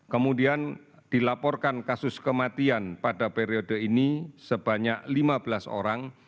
kemudian dilaporkan kasus kematian pada periode ini sebanyak lima belas orang